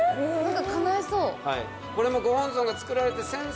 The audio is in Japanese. かないそう。